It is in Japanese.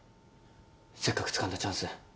せっかくつかんだチャンス